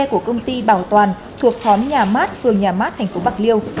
của công ty bảo toàn thuộc phóm nhà mát phường nhà mát tp bạc liêu